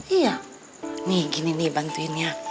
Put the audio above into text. iya nih gini nih bantuinnya